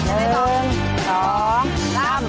เอาแป๊บ